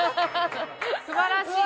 素晴らしい！